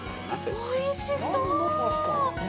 おいしそ！